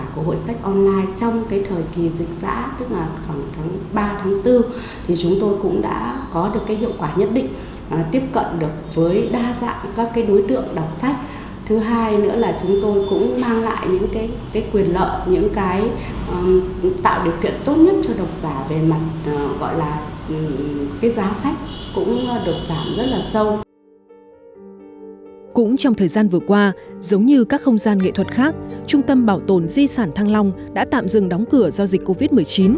cũng trong thời gian vừa qua giống như các không gian nghệ thuật khác trung tâm bảo tồn di sản thăng long đã tạm dừng đóng cửa do dịch covid một mươi chín